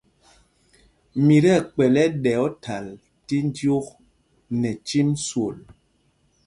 Mǐ tí ɛkpɛ̌l ɛ́ɗɛ óthǎl tí jyuk nɛ cîm swol.